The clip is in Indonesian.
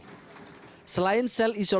di kawasan yang baru selesai dibangun